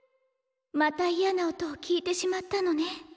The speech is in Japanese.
また嫌な音を聴いてしまったのね？